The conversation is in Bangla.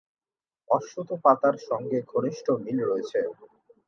অশ্বত্থ পাতার সঙ্গে ঘনিষ্ঠ মিল রয়েছে।